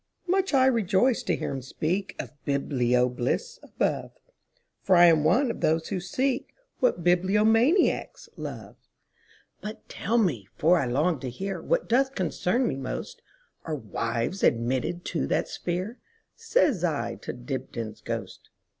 Much I rejoiced to hear him speakOf biblio bliss above, For I am one of those who seekWhat bibliomaniacs love."But tell me, for I long to hearWhat doth concern me most, Are wives admitted to that sphere?"Says I to Dibdin's ghost.